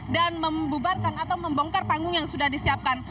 dan membubarkan atau membongkar panggung yang sudah disiapkan